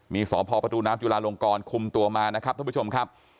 มีสพประตูน้ำจุลาลงกรคุมตัวมานะครับท่านผู้ชมครับ